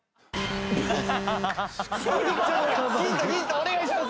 お願いします！